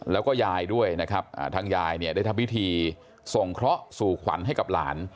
แล้วก็ยายด้วยนะครับทางยายเนี่ยได้ทำพิธีส่งเคราะห์สู่ขวัญให้กับหลาน